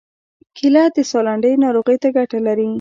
کېله د ساه لنډۍ ناروغۍ ته ګټه لري.